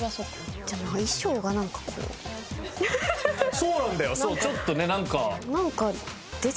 そうなんだよそうちょっとねなんか。